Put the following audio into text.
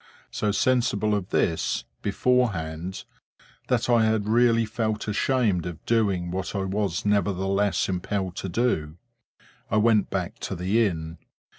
So sensible of this, beforehand, that I had really felt ashamed of doing what I was nevertheless impelled to do, I went back to the inn.